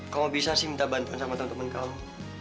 kamu bisa sih minta bantuan sama temen temen kamu